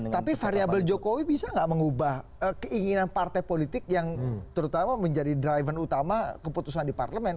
tapi variabel jokowi bisa nggak mengubah keinginan partai politik yang terutama menjadi driver utama keputusan di parlemen